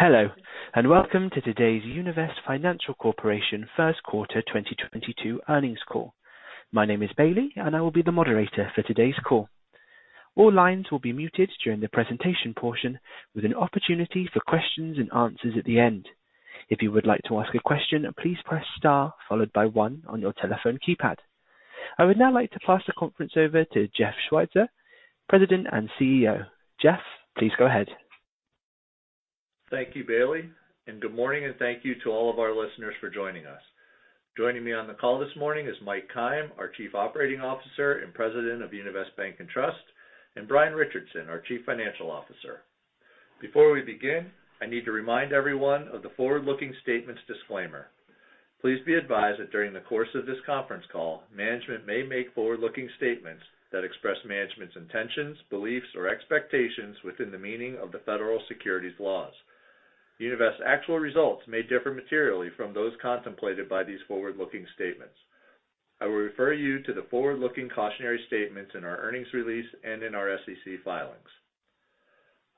Hello, and welcome to today's Univest Financial Corporation first quarter 2022 earnings call. My name is Bailey, and I will be the moderator for today's call. All lines will be muted during the presentation portion, with an opportunity for questions and answers at the end. If you would like to ask a question, please press star followed by one on your telephone keypad. I would now like to pass the conference over to Jeff Schweitzer, President and CEO. Jeff, please go ahead. Thank you, Bailey, and good morning and thank you to all of our listeners for joining us. Joining me on the call this morning is Mike Keim, our Chief Operating Officer and President of Univest Bank and Trust, and Brian Richardson, our Chief Financial Officer. Before we begin, I need to remind everyone of the forward-looking statements disclaimer. Please be advised that during the course of this conference call, management may make forward-looking statements that express management's intentions, beliefs, or expectations within the meaning of the federal securities laws. Univest's actual results may differ materially from those contemplated by these forward-looking statements. I will refer you to the forward-looking cautionary statements in our earnings release and in our SEC filings.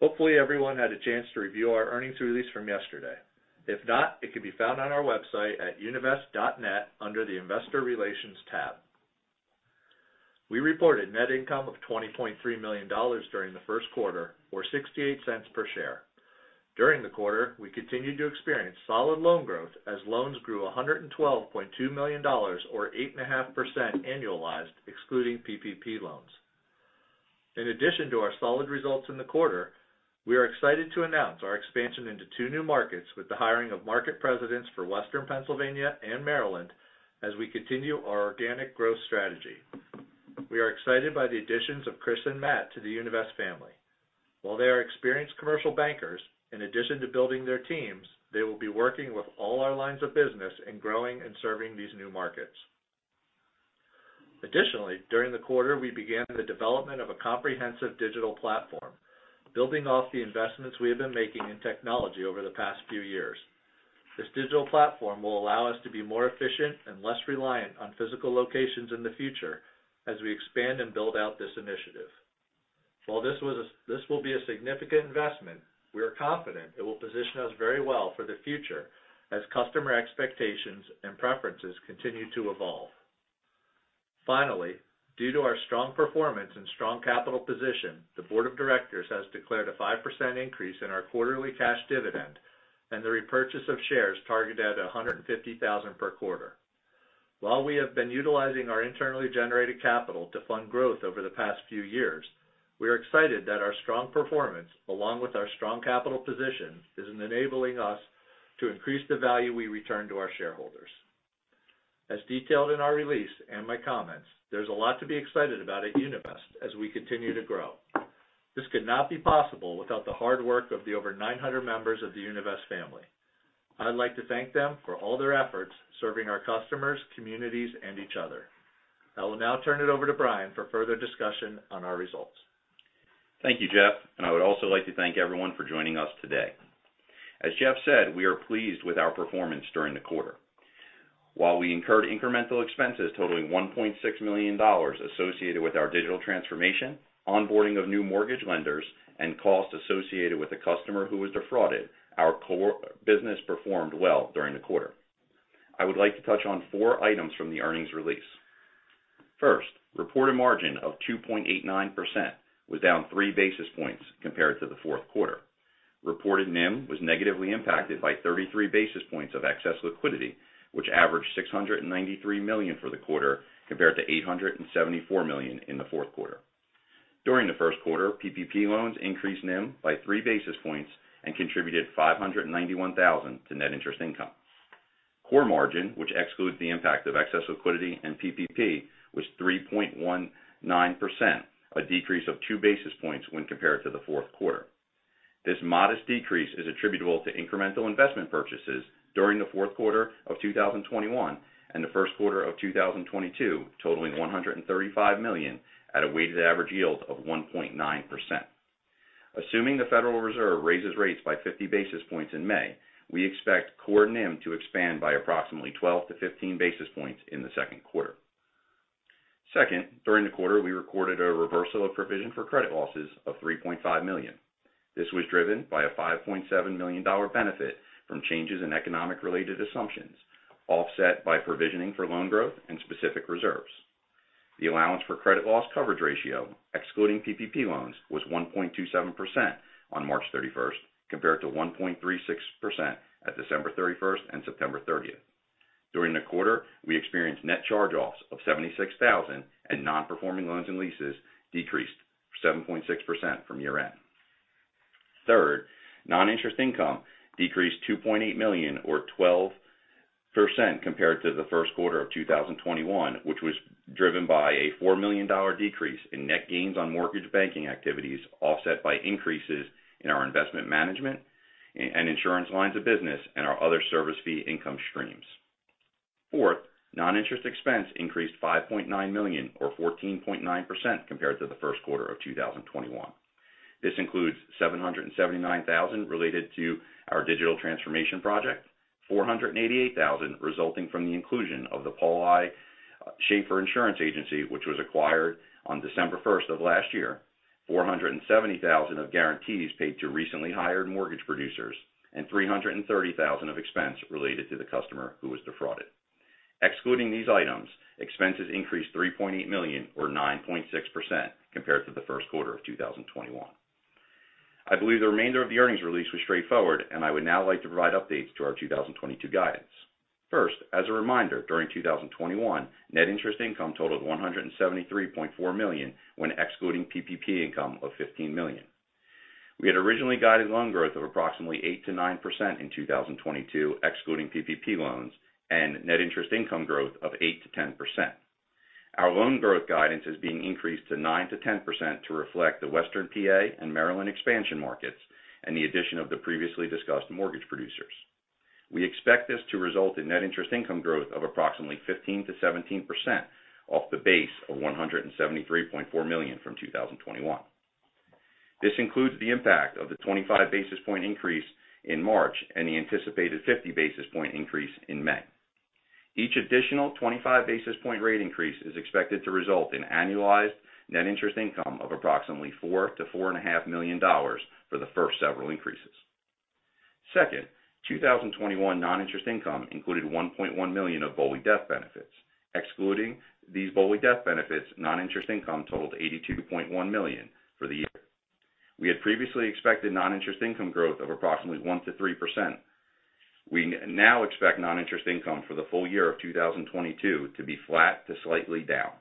Hopefully, everyone had a chance to review our earnings release from yesterday. If not, it could be found on our website at univest.net under the Investor Relations tab. We reported net income of $20.3 million during the first quarter or $0.68 per share. During the quarter, we continued to experience solid loan growth as loans grew $112.2 million or 8.5% annualized excluding PPP loans. In addition to our solid results in the quarter, we are excited to announce our expansion into two new markets with the hiring of market presidents for Western Pennsylvania and Maryland as we continue our organic growth strategy. We are excited by the additions of Chris and Matt to the Univest family. While they are experienced commercial bankers, in addition to building their teams, they will be working with all our lines of business in growing and serving these new markets. Additionally, during the quarter, we began the development of a comprehensive digital platform, building off the investments we have been making in technology over the past few years. This digital platform will allow us to be more efficient and less reliant on physical locations in the future as we expand and build out this initiative. While this will be a significant investment, we are confident it will position us very well for the future as customer expectations and preferences continue to evolve. Finally, due to our strong performance and strong capital position, the board of directors has declared a 5% increase in our quarterly cash dividend and the repurchase of shares targeted at 150,000 per quarter. While we have been utilizing our internally generated capital to fund growth over the past few years, we are excited that our strong performance, along with our strong capital position, is enabling us to increase the value we return to our shareholders. As detailed in our release and my comments, there's a lot to be excited about at Univest as we continue to grow. This could not be possible without the hard work of the over nine hundred members of the Univest family. I'd like to thank them for all their efforts serving our customers, communities, and each other. I will now turn it over to Brian for further discussion on our results. Thank you, Jeff. I would also like to thank everyone for joining us today. As Jeff said, we are pleased with our performance during the quarter. While we incurred incremental expenses totaling $1.6 million associated with our digital transformation, onboarding of new mortgage lenders, and costs associated with a customer who was defrauded, our core business performed well during the quarter. I would like to touch on four items from the earnings release. First, reported margin of 2.89% was down 3 basis points compared to the fourth quarter. Reported NIM was negatively impacted by 33 basis points of excess liquidity, which averaged $693 million for the quarter, compared to $874 million in the fourth quarter. During the first quarter, PPP loans increased NIM by 3 basis points and contributed $591 thousand to net interest income. Core margin, which excludes the impact of excess liquidity and PPP, was 3.19%, a decrease of 2 basis points when compared to the fourth quarter. This modest decrease is attributable to incremental investment purchases during the fourth quarter of 2021 and the first quarter of 2022, totaling $135 million at a weighted average yield of 1.9%. Assuming the Federal Reserve raises rates by 50 basis points in May, we expect core NIM to expand by approximately 12-15 basis points in the second quarter. Second, during the quarter, we recorded a reversal of provision for credit losses of $3.5 million. This was driven by a $5.7 million benefit from changes in economic-related assumptions, offset by provisioning for loan growth and specific reserves. The allowance for credit loss coverage ratio, excluding PPP loans, was 1.27% on March thirty-first, compared to 1.36% at December 31st and September 30th. During the quarter, we experienced net charge-offs of $76,000 and non-performing loans and leases decreased 7.6% from year-end. Third, non-interest income decreased $2.8 million or 12% compared to the first quarter of 2021, which was driven by a $4 million decrease in net gains on mortgage banking activities, offset by increases in our investment management and insurance lines of business and our other service fee income streams. Fourth, non-interest expense increased $5.9 million or 14.9% compared to the first quarter of 2021. This includes $779,000 related to our digital transformation project, $488,000 resulting from the inclusion of the Paul I. Sheaffer Insurance Agency, which was acquired on December 1st of last year, $470,000 of guarantees paid to recently hired mortgage producers, and $330,000 of expense related to the customer who was defrauded. Excluding these items, expenses increased $3.8 million or 9.6% compared to the first quarter of 2021. I believe the remainder of the earnings release was straightforward, and I would now like to provide updates to our 2022 guidance. First, as a reminder, during 2021, net interest income totaled $173.4 million when excluding PPP income of $15 million. We had originally guided loan growth of approximately 8%-9% in 2022, excluding PPP loans and net interest income growth of 8%-10%. Our loan growth guidance is being increased to 9%-10% to reflect the Western PA and Maryland expansion markets and the addition of the previously discussed mortgage producers. We expect this to result in net interest income growth of approximately 15%-17% off the base of $173.4 million from 2021. This includes the impact of the 25 basis point increase in March and the anticipated 50 basis point increase in May. Each additional 25 basis point rate increase is expected to result in annualized net interest income of approximately $4 million-$4.5 million for the first several increases. Second, 2021 non-interest income included $1.1 million of BOLI death benefits. Excluding these BOLI death benefits, non-interest income totaled $82.1 million for the year. We had previously expected non-interest income growth of approximately 1%-3%. We now expect non-interest income for the full year of 2022 to be flat to slightly down.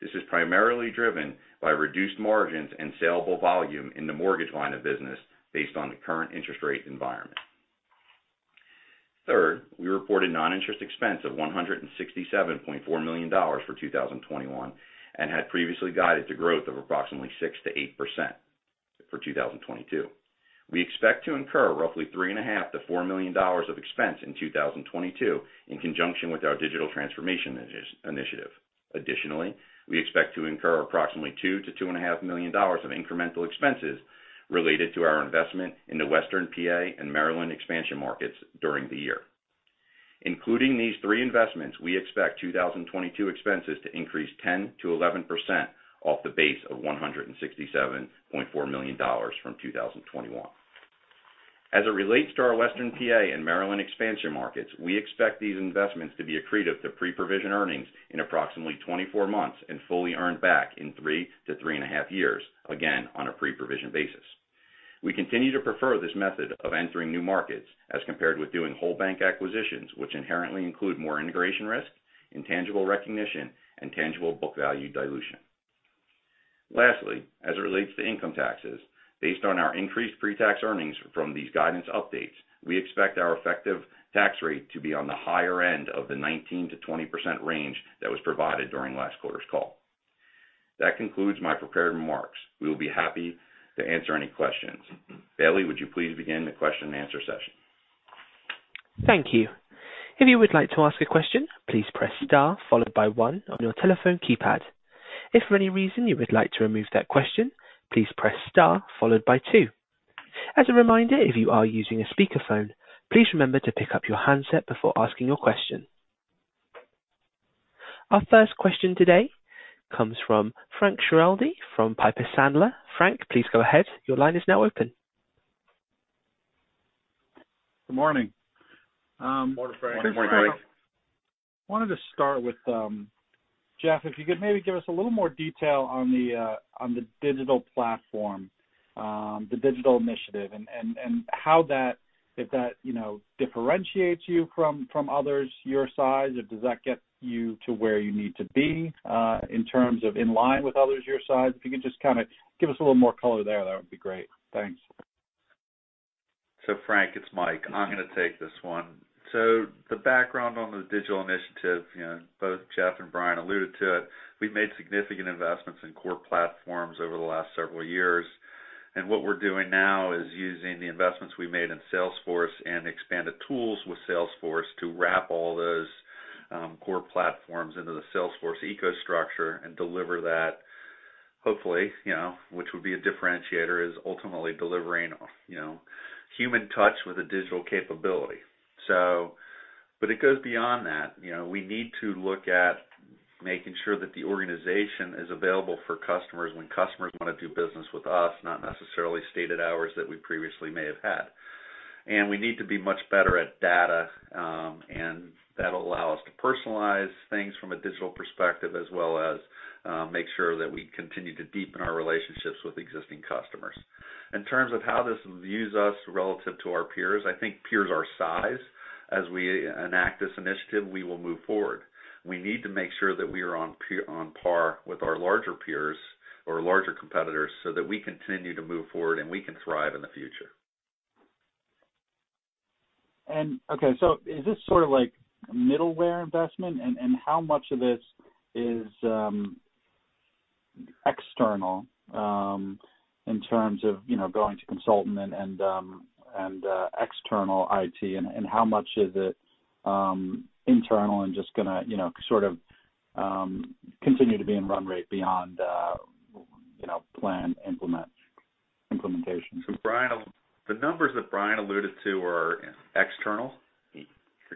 This is primarily driven by reduced margins and salable volume in the mortgage line of business based on the current interest rate environment. Third, we reported non-interest expense of $167.4 million for 2021 and had previously guided the growth of approximately 6%-8% for 2022. We expect to incur roughly $3.5 million-$4 million of expense in 2022 in conjunction with our digital transformation initiative. Additionally, we expect to incur approximately $2 million-$2.5 million of incremental expenses related to our investment in the Western PA and Maryland expansion markets during the year. Including these three investments, we expect 2022 expenses to increase 10%-11% off the base of $167.4 million from 2021. As it relates to our Western PA and Maryland expansion markets, we expect these investments to be accretive to pre-provision earnings in approximately 24 months and fully earned back in 3-3.5 years, again, on a pre-provision basis. We continue to prefer this method of entering new markets as compared with doing whole bank acquisitions, which inherently include more integration risk, intangible recognition, and tangible book value dilution. Lastly, as it relates to income taxes, based on our increased pre-tax earnings from these guidance updates, we expect our effective tax rate to be on the higher end of the 19%-20% range that was provided during last quarter's call. That concludes my prepared remarks. We will be happy to answer any questions. Bailey, would you please begin the question and answer session? Thank you. If you would like to ask a question, please press star followed by one on your telephone keypad. If for any reason you would like to remove that question, please press star followed by two. As a reminder, if you are using a speakerphone, please remember to pick up your handset before asking your question. Our first question today comes from Frank Schiraldi from Piper Sandler. Frank, please go ahead. Your line is now open. Good morning. Morning, Frank. Just wanted to start with Jeff, if you could maybe give us a little more detail on the digital platform, the digital initiative and how that, if that, you know, differentiates you from others your size, or does that get you to where you need to be, in terms of in line with others your size? If you could just kinda give us a little more color there, that would be great. Thanks. Frank, it's Mike. I'm gonna take this one. The background on the digital initiative, you know, both Jeff and Brian alluded to it. We've made significant investments in core platforms over the last several years. What we're doing now is using the investments we made in Salesforce and expanded tools with Salesforce to wrap all those core platforms into the Salesforce ecosystem and deliver that hopefully, you know, which would be a differentiator, is ultimately delivering, you know, human touch with a digital capability. It goes beyond that. You know, we need to look at making sure that the organization is available for customers when customers want to do business with us, not necessarily stated hours that we previously may have had. We need to be much better at data, and that'll allow us to personalize things from a digital perspective as well as make sure that we continue to deepen our relationships with existing customers. In terms of how this views us relative to our peers, I think peers our size, as we enact this initiative, we will move forward. We need to make sure that we are on par with our larger peers or larger competitors so that we continue to move forward and we can thrive in the future. Okay, is this sort of like middleware investment? How much of this is external, in terms of, you know, going to consultant and external IT, and how much is it internal and just gonna, you know, sort of, continue to be in run rate beyond, you know, plan implement? Brian, the numbers that Brian alluded to are external.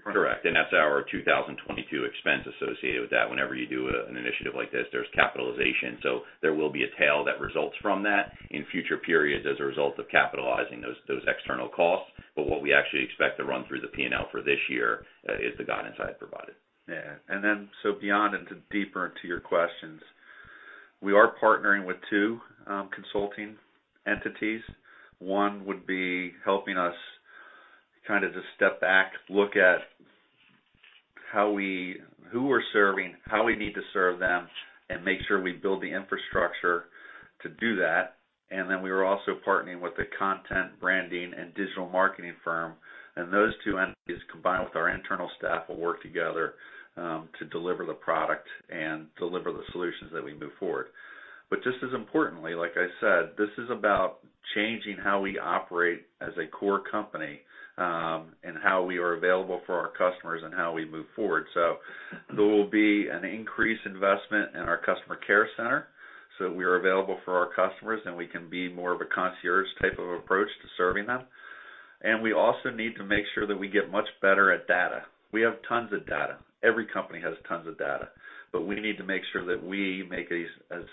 Correct. That's our 2022 expense associated with that. Whenever you do an initiative like this, there's capitalization. There will be a tail that results from that in future periods as a result of capitalizing those external costs. What we actually expect to run through the P&L for this year is the guidance I had provided. Yeah. Beyond into deeper into your questions. We are partnering with two consulting entities. One would be helping us kind of just step back, look at who we're serving, how we need to serve them, and make sure we build the infrastructure to do that. We are also partnering with a content branding and digital marketing firm. Those two entities, combined with our internal staff, will work together to deliver the product and deliver the solutions that we move forward. Just as importantly, like I said, this is about changing how we operate as a core company, and how we are available for our customers and how we move forward. There will be an increased investment in our customer care center, we are available for our customers, and we can be more of a concierge type of approach to serving them. We also need to make sure that we get much better at data. We have tons of data. Every company has tons of data. We need to make sure that we make a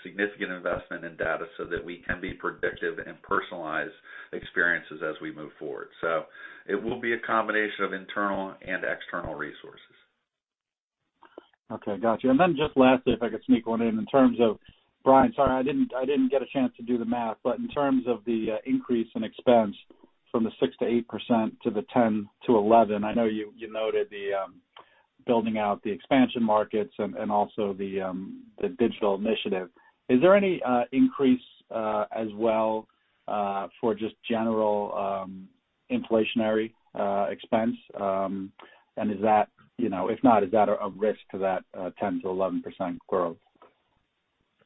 significant investment in data so that we can be predictive and personalize experiences as we move forward. It will be a combination of internal and external resources. Okay. Got you. Just lastly, if I could sneak one in. In terms of Brian, sorry, I didn't get a chance to do the math, but in terms of the increase in expense from the 6%-8% to the 10%-11%, I know you noted the building out the expansion markets and also the digital initiative. Is there any increase as well for just general inflationary expense? Is that, you know, if not, is that a risk to that 10%-11% growth?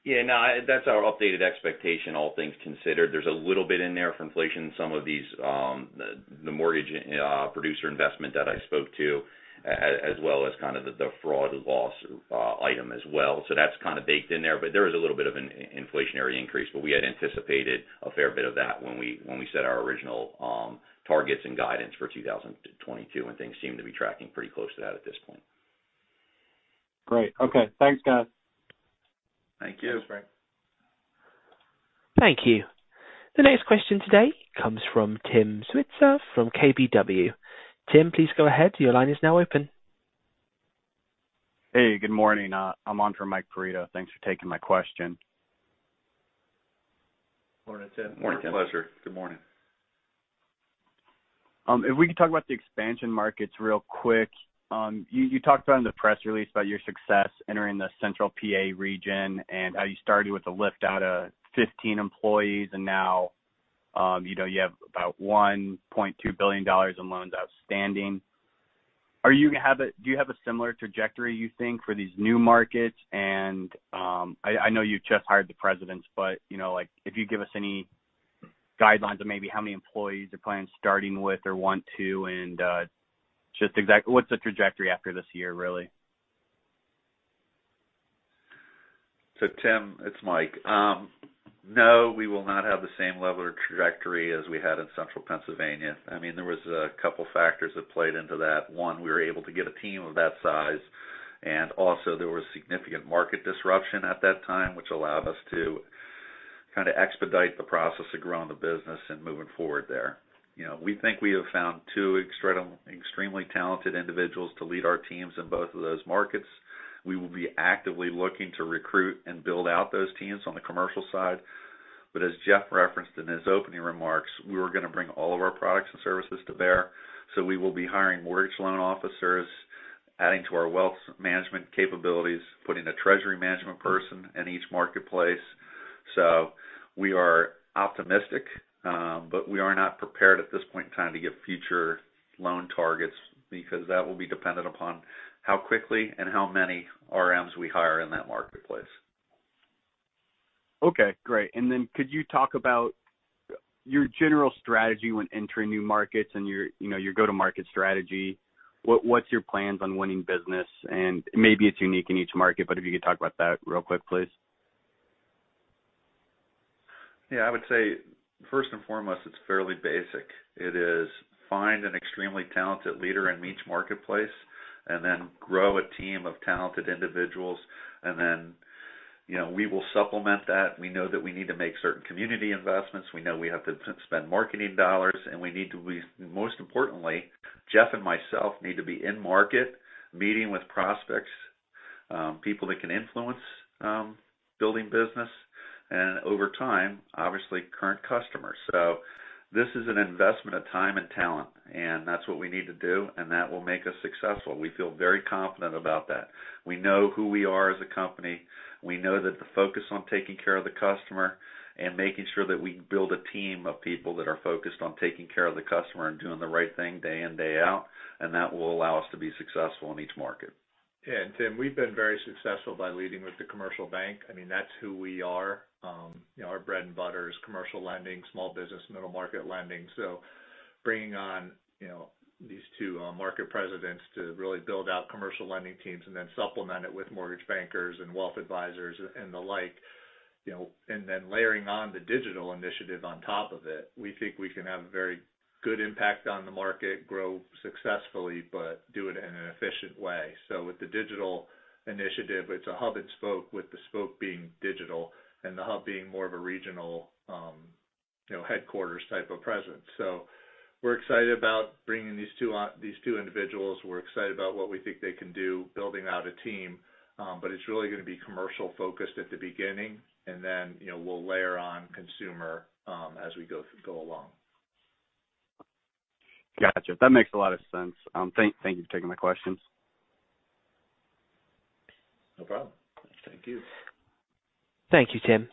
Yeah, no, that's our updated expectation, all things considered. There's a little bit in there for inflation, some of these, the mortgage producer investment that I spoke to, as well as kind of the fraud loss item as well. That's kind of baked in there. There is a little bit of an inflationary increase, but we had anticipated a fair bit of that when we set our original targets and guidance for 2022, and things seem to be tracking pretty close to that at this point. Great. Okay. Thanks, guys. Thank you. Thanks, Brian. Thank you. The next question today comes from Tim Switzer from KBW. Tim, please go ahead. Your line is now open. Hey, good morning. I'm on for Mike Perito. Thanks for taking my question. Morning, Tim. Morning, Tim. Pleasure. Good morning. If we could talk about the expansion markets real quick. You talked about in the press release about your success entering the Central PA region and how you started with a lift out of 15 employees, and now, you know, you have about $1.2 billion in loans outstanding. Do you have a similar trajectory you think for these new markets? I know you just hired the presidents, but you know, like, if you give us any guidelines of maybe how many employees you're planning starting with or want to, and, just what's the trajectory after this year, really? Tim, it's Mike. No, we will not have the same level of trajectory as we had in Central Pennsylvania. I mean, there was a couple factors that played into that. One, we were able to get a team of that size, and also there was significant market disruption at that time, which allowed us to kind of expedite the process of growing the business and moving forward there. You know, we think we have found two extremely talented individuals to lead our teams in both of those markets. We will be actively looking to recruit and build out those teams on the commercial side. But as Jeff referenced in his opening remarks, we were gonna bring all of our products and services to bear. We will be hiring mortgage loan officers, adding to our wealth management capabilities, putting a treasury management person in each marketplace. We are optimistic, but we are not prepared at this point in time to give future loan targets because that will be dependent upon how quickly and how many RMs we hire in that marketplace. Okay. Great. Could you talk about your general strategy when entering new markets and your, you know, your go-to-market strategy? What's your plans on winning business? Maybe it's unique in each market, but if you could talk about that real quick, please. Yeah. I would say, first and foremost, it's fairly basic. It is find an extremely talented leader in each marketplace and then grow a team of talented individuals. Then, you know, we will supplement that. We know that we need to make certain community investments. We know we have to spend marketing dollars, and we need to be most importantly, Jeff and myself need to be in market, meeting with prospects, people that can influence, building business, and over time, obviously current customers. This is an investment of time and talent, and that's what we need to do, and that will make us successful. We feel very confident about that. We know who we are as a company. We know that the focus on taking care of the customer and making sure that we build a team of people that are focused on taking care of the customer and doing the right thing day in, day out, and that will allow us to be successful in each market. Yeah. Tim, we've been very successful by leading with the commercial bank. I mean, that's who we are. You know, our bread and butter is commercial lending, small business, middle market lending. So Bringing on, you know, these two market presidents to really build out commercial lending teams and then supplement it with mortgage bankers and wealth advisors and the like, you know, and then layering on the digital initiative on top of it. We think we can have a very good impact on the market, grow successfully, but do it in an efficient way. With the digital initiative, it's a hub and spoke, with the spoke being digital and the hub being more of a regional, you know, headquarters type of presence. We're excited about bringing these two individuals. We're excited about what we think they can do building out a team. It's really gonna be commercial-focused at the beginning and then, you know, we'll layer on consumer as we go along. Gotcha. That makes a lot of sense. Thank you for taking my questions. No problem. Thank you. Thank you, Tim.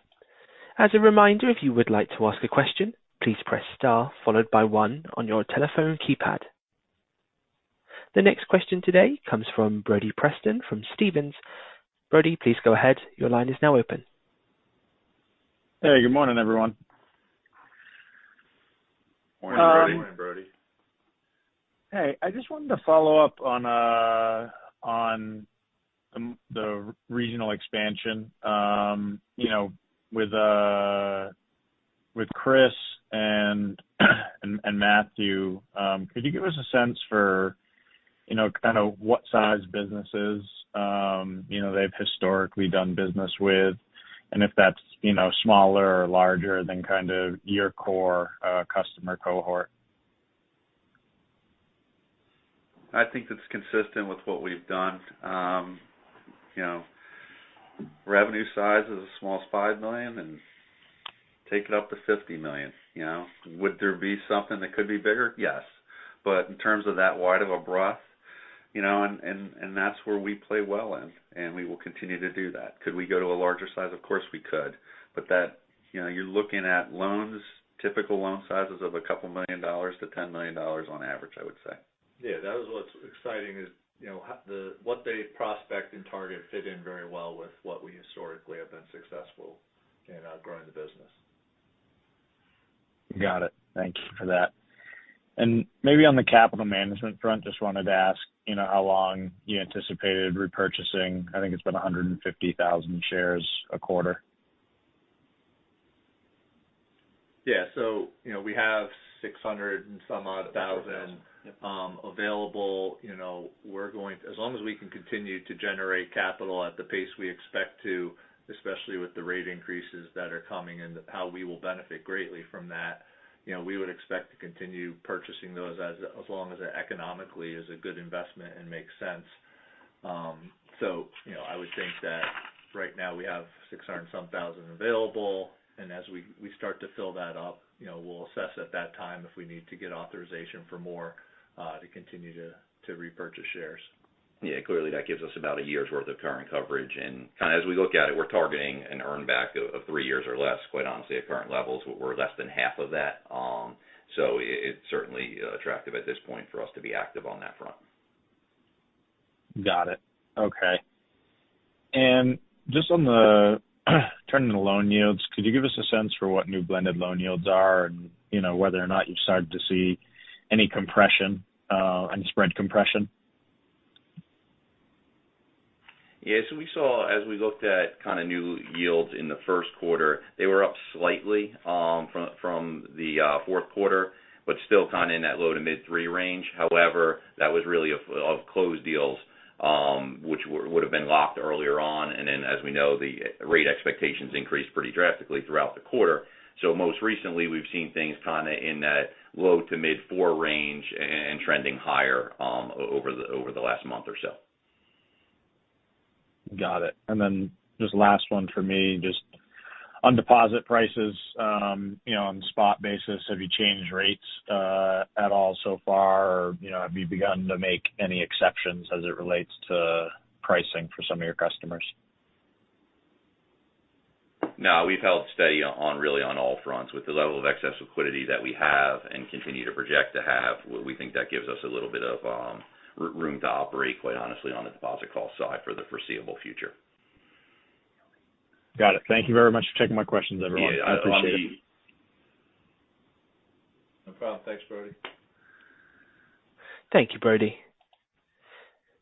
As a reminder, if you would like to ask a question, please press star followed by one on your telephone keypad. The next question today comes from Brody Preston from Stephens. Brody, please go ahead. Your line is now open. Hey, good morning, everyone. Morning, Brody. Morning, Brody. Hey, I just wanted to follow up on the regional expansion. You know, with Chris and Matthew, could you give us a sense for, you know, kind of what size businesses, you know, they've historically done business with, and if that's, you know, smaller or larger than kind of your core customer cohort? I think it's consistent with what we've done. You know, revenue size is as small as $5 million and take it up to $50 million, you know. Would there be something that could be bigger? Yes. In terms of that wide of a breadth, you know, and that's where we play well in, and we will continue to do that. Could we go to a larger size? Of course, we could. You know, you're looking at loans, typical loan sizes of a couple million dollars to $10 million on average, I would say. Yeah. That was what's exciting is, you know, what their prospects and targets fit in very well with what we historically have been successful in growing the business. Got it. Thank you for that. Maybe on the capital management front, just wanted to ask, you know, how long you anticipated repurchasing. I think it's been 150,000 shares a quarter. Yeah. You know, we have 600 and some odd thousand available. You know, as long as we can continue to generate capital at the pace we expect to, especially with the rate increases that are coming and how we will benefit greatly from that, you know, we would expect to continue purchasing those as long as it economically is a good investment and makes sense. You know, I would think that right now we have 600 and some odd thousand available, and as we start to fill that up, you know, we'll assess at that time if we need to get authorization for more to continue to repurchase shares. Yeah. Clearly, that gives us about a year's worth of current coverage. Kind of as we look at it, we're targeting an earn back of three years or less. Quite honestly, at current levels, we're less than half of that. It's certainly attractive at this point for us to be active on that front. Got it. Okay. Just on the turning to the loan yields, could you give us a sense for what new blended loan yields are and, you know, whether or not you've started to see any compression, any spread compression? Yeah. We saw as we looked at kind of new yields in the first quarter, they were up slightly from the fourth quarter, but still kind of in that low-to-mid 3% range. However, that was really from closed deals, which would have been locked earlier on. Then as we know, the rate expectations increased pretty drastically throughout the quarter. Most recently, we've seen things kind of in that low-to-mid 4% range and trending higher over the last month or so. Got it. Just last one for me, just on deposit prices, you know, on spot basis, have you changed rates, at all so far? You know, have you begun to make any exceptions as it relates to pricing for some of your customers? No. We've held steady on, really on all fronts. With the level of excess liquidity that we have and continue to project to have, we think that gives us a little bit of room to operate, quite honestly, on the deposit call side for the foreseeable future. Got it. Thank you very much for taking my questions, everyone. Yeah. I appreciate it. No problem. Thanks, Brody. Thank you, Brody.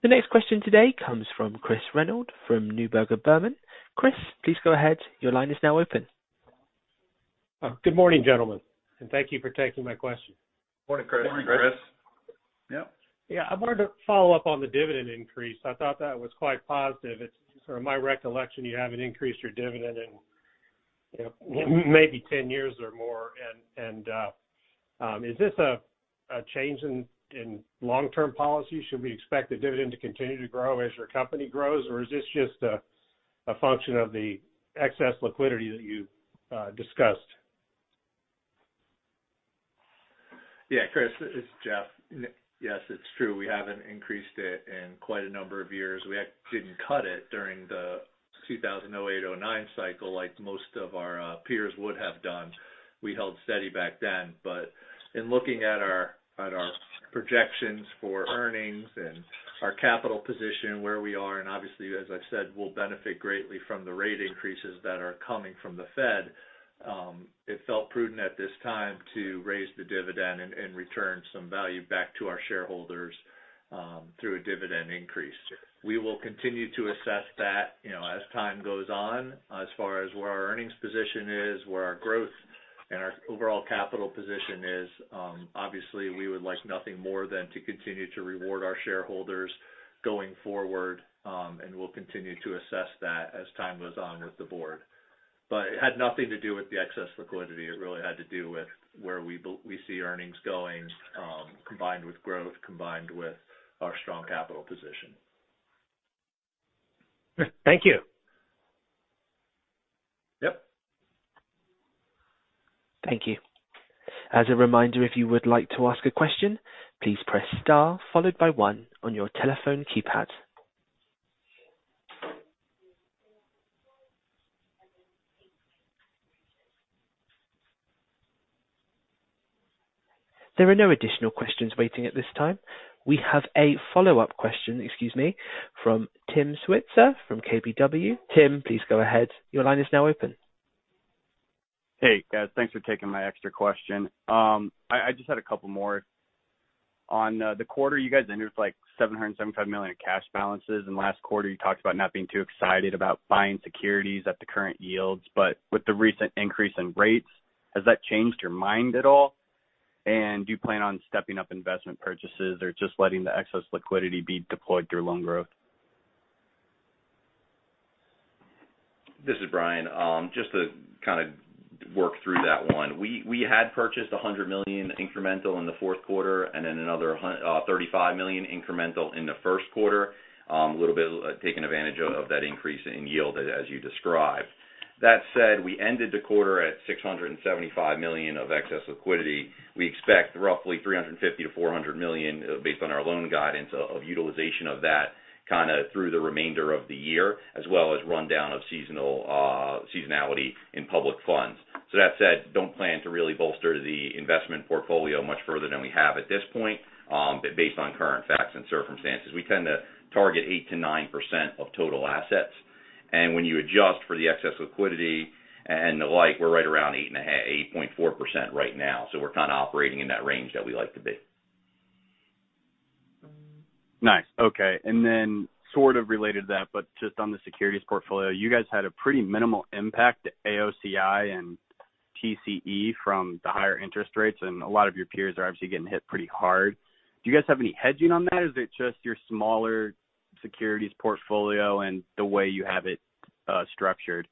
The next question today comes from Chris Reynolds from Neuberger Berman. Chris, please go ahead. Your line is now open. Good morning, gentlemen, and thank you for taking my question. Morning, Chris. Morning, Chris. Yeah. Yeah. I wanted to follow up on the dividend increase. I thought that was quite positive. It's sort of my recollection, you haven't increased your dividend in, you know, maybe 10 years or more. Is this a change in long-term policy? Should we expect the dividend to continue to grow as your company grows, or is this just a function of the excess liquidity that you discussed? Yeah. Chris, this is Jeff. Yes, it's true. We haven't increased it in quite a number of years. We didn't cut it during the 2008-09 cycle like most of our peers would have done. We held steady back then. In looking at our At our projections for earnings and our capital position where we are, and obviously, as I've said, we'll benefit greatly from the rate increases that are coming from the Fed. It felt prudent at this time to raise the dividend and return some value back to our shareholders through a dividend increase. We will continue to assess that, you know, as time goes on, as far as where our earnings position is, where our growth and our overall capital position is. Obviously, we would like nothing more than to continue to reward our shareholders going forward. We'll continue to assess that as time goes on with the board. It had nothing to do with the excess liquidity. It really had to do with where we see earnings going, combined with growth, combined with our strong capital position. Thank you. Yep. Thank you. As a reminder, if you would like to ask a question, please press star followed by one on your telephone keypad. There are no additional questions waiting at this time. We have a follow-up question, excuse me, from Tim Switzer from KBW. Tim, please go ahead. Your line is now open. Hey, guys. Thanks for taking my extra question. I just had a couple more. On the quarter, you guys entered like $775 million in cash balances, and last quarter, you talked about not being too excited about buying securities at the current yields. With the recent increase in rates, has that changed your mind at all? And do you plan on stepping up investment purchases or just letting the excess liquidity be deployed through loan growth? This is Brian. Just to kind of work through that one. We had purchased $100 million incremental in the fourth quarter and then another $35 million incremental in the first quarter, a little bit taking advantage of that increase in yield as you described. That said, we ended the quarter at $675 million of excess liquidity. We expect roughly $350 million-$400 million, based on our loan guidance of utilization of that kinda through the remainder of the year, as well as rundown of seasonal seasonality in public funds. That said, don't plan to really bolster the investment portfolio much further than we have at this point, based on current facts and circumstances. We tend to target 8%-9% of total assets. When you adjust for the excess liquidity and the like, we're right around 8.5, 8.4% right now. We're kind of operating in that range that we like to be. Nice. Okay. Sort of related to that, but just on the securities portfolio, you guys had a pretty minimal impact to AOCI and TCE from the higher interest rates, and a lot of your peers are obviously getting hit pretty hard. Do you guys have any hedging on that? Is it just your smaller securities portfolio and the way you have it structured?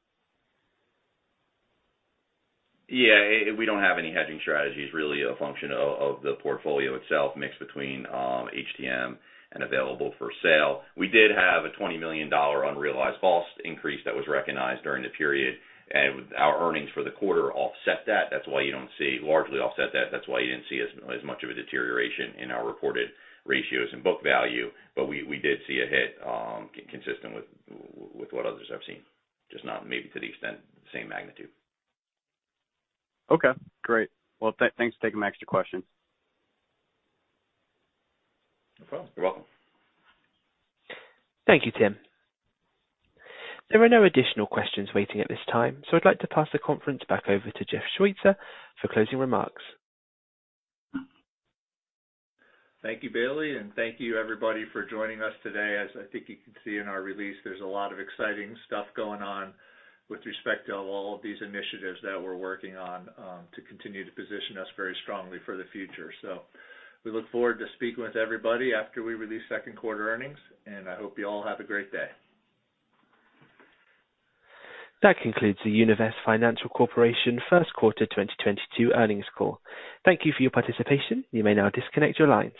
Yeah. We don't have any hedging strategies, really a function of the portfolio itself mixed between HTM and available for sale. We did have a $20 million unrealized loss increase that was recognized during the period, and our earnings for the quarter offset that. That's why you don't see. Largely offset that. That's why you didn't see as much of a deterioration in our reported ratios and book value. We did see a hit, consistent with what others have seen. Just not maybe to the extent same magnitude. Okay, great. Well, thanks for taking my extra question. No problem. Thank you, Tim. There are no additional questions waiting at this time, so I'd like to pass the conference back over to Jeff Schweitzer for closing remarks. Thank you, Bailey, and thank you everybody for joining us today. As I think you can see in our release, there's a lot of exciting stuff going on with respect to all of these initiatives that we're working on, to continue to position us very strongly for the future. We look forward to speaking with everybody after we release second quarter earnings, and I hope you all have a great day. That concludes the Univest Financial Corporation first quarter 2022 earnings call. Thank you for your participation. You may now disconnect your lines.